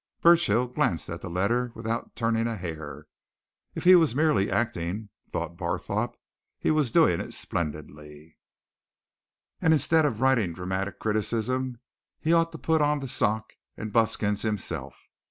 Burchill glanced at the letter without turning a hair. If he was merely acting, thought Barthorpe, he was doing it splendidly, and instead of writing dramatic criticism he ought to put on the sock and buskins himself.